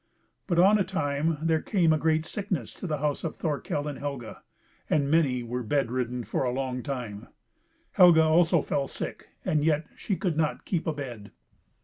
But on a time there came a great sickness to the house of Thorkel and Helga, and many were bed ridden for a long time. Helga also fell sick, and yet she could not keep abed.